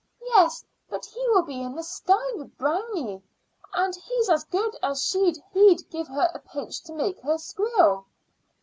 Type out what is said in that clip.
"Yes, but he will be in the sty with Brownie; and he as good as said he'd give her a pinch to make her squeal."